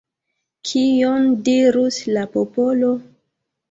Kion dirus la popolo?